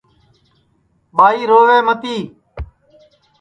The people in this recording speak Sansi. ٻائی رووے متی